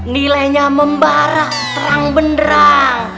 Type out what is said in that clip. nilainya membarah terang benerang